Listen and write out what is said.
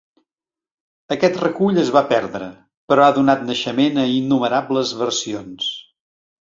Aquest recull es va perdre, però ha donat naixement a innumerables versions.